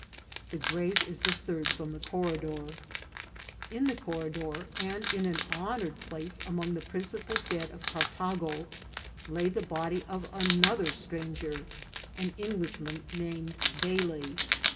The grave is the third from the corridor. In the corridor, and in an honoured place among the principal dead of Cartago, lay the body of another stranger, an Englishman named Bailey.